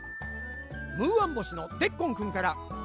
ムーアンぼしのデッコンくんから。